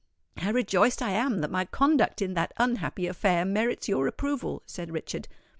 "How rejoiced I am that my conduct in that unhappy affair merits your approval," said Richard.